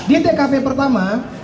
di tkp pertama